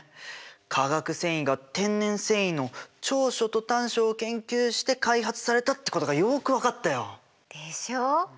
化学繊維が天然繊維の長所と短所を研究して開発されたってことがよく分かったよ！でしょう？